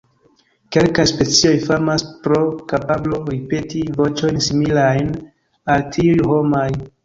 Kelkaj specioj famas pro kapablo ripeti voĉojn similajn al tiuj homaj.